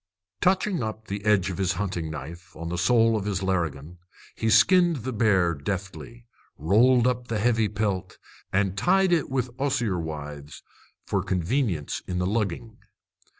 Touching up the edge of his hunting knife on the sole of his larrigan, he skinned the bear deftly, rolled up the heavy pelt, and tied it with osier withes for convenience in the lugging.